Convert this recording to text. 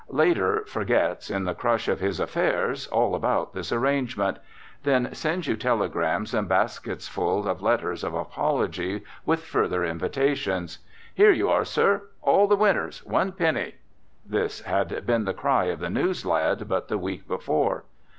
Later forgets, in the crush of his affairs, all about this arrangement. Then sends you telegrams and basketfuls of letters of apology, with further invitations. "Here you are, sir! All the winners! One penny." This had been the cry of the news lads but the week before.